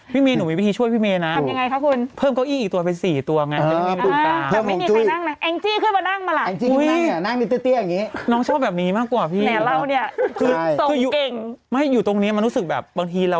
พี่เมหนุ่มมีวิธีช่วยพี่เมนะ